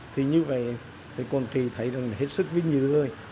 thì như vậy quảng trị thấy hết sức vinh dự rồi